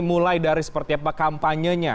mulai dari seperti apa kampanyenya